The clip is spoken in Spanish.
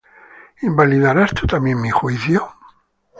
¿Invalidarás tú también mi juicio?